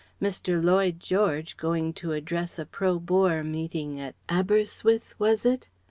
Mr. Lloyd George going to address a pro Boer meeting at Aberystwith (was it?)